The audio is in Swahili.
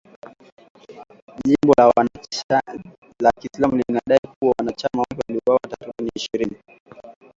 Jimbo la Kiislamu ilidai kuwa wanachama wake waliwauwa takribani ishirini